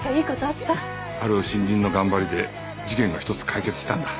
ある新人の頑張りで事件が一つ解決したんだ。